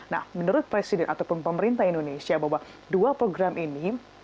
nah menurut presiden ataupun pemerintah indonesia bahwa dua program ini